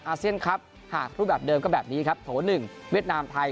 เซียนครับหากรูปแบบเดิมก็แบบนี้ครับโถ๑เวียดนามไทย